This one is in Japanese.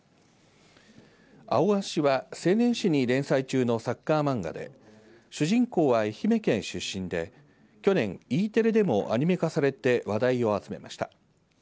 アオアシは青年誌に連載中のサッカー漫画で主人公は愛媛県出身で去年、Ｅテレでもアニメ化されて話題を集めました。